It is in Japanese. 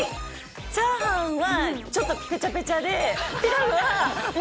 チャーハンはちょっとぺちゃぺちゃで、違いますよ。